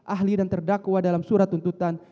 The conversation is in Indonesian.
ahli dan terdakwa dalam surat tuntutan